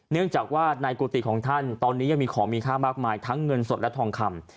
เนื่องจากว่าในกุฏิของท่านตอนนี้ยังมีของมีค่ามากมายทั้งเงินสดและทองคำ